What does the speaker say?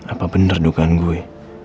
apa bener dugaan gue